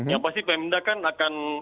yang pasti pemda kan akan